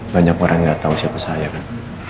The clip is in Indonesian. banyak orang yang gak tau siapa saya kan